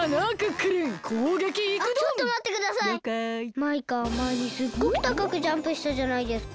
マイカまえにすっごくたかくジャンプしたじゃないですか。